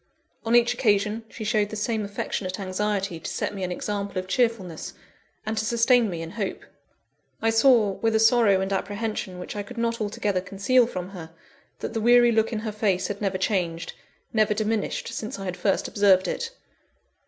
On each occasion, she showed the same affectionate anxiety to set me an example of cheerfulness, and to sustain me in hope. I saw, with a sorrow and apprehension which I could not altogether conceal from her, that the weary look in her face had never changed, never diminished since I had first observed it.